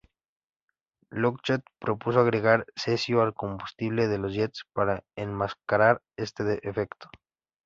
Lockheed propuso agregar cesio al combustible de los jet para enmascarar este efecto.